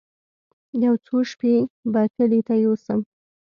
يو څو شپې به کلي ته يوسم.